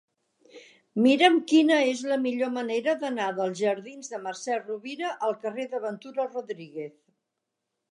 Mira'm quina és la millor manera d'anar dels jardins de Mercè Rovira al carrer de Ventura Rodríguez.